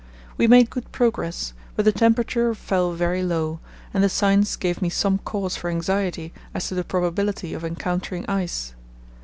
We made good progress, but the temperature fell very low, and the signs gave me some cause for anxiety as to the probability of encountering ice.